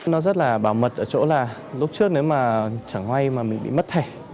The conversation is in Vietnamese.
nó rất là bảo mật ở chỗ là lúc trước nếu mà chẳng may mà mình bị mất thẻ